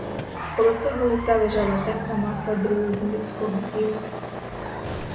Коло цього лиця лежала темна маса другого людського тіла.